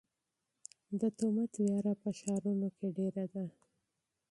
د تومت وېره په ښارونو کې ډېره ده.